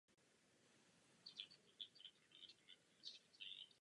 Následně kvůli zdravotním a rodinným problémům nehrál.